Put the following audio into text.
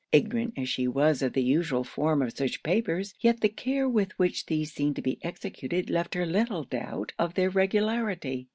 Ignorant as she was of the usual form of such papers, yet the care with which these seemed to be executed left her little doubt of their regularity.